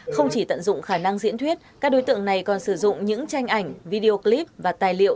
không chỉ tận dụng khả năng diễn thuyết các đối tượng này còn sử dụng những tranh ảnh video clip và tài liệu